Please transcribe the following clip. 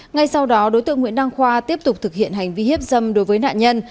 ngay sau đó đối tượng nguyễn đăng khoa tiếp tục thực hiện hành vi hiếp dâm đối với nạn nhân